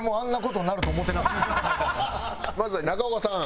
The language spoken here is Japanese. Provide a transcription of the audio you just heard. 俺もまずは中岡さん。